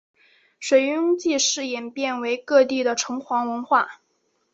水庸祭祀演变为各地的城隍文化。